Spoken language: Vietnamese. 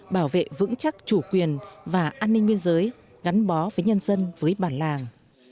bảo vệ vững chắc chủ quyền và an ninh biên giới gắn bó với nhân dân với bản làng